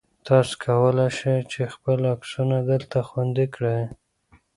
تاسو کولای شئ چې خپل عکسونه دلته خوندي کړئ.